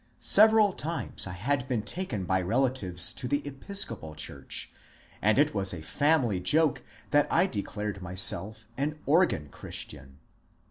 Several times I had been taken by relatives to the Episcopal church, and it was a family joke that I declared myself an " organ Christian."